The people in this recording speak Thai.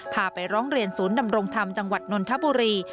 ไปร้องเรียนศูนย์ดำรงธรรมจังหวัดนนทบุรี